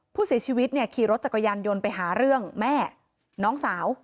ผู้เสียชีวิตเนี่ยขี่รถจักรยานยนต์ไปหาเรื่องแม่น้องสาว